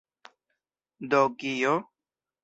Do kio?!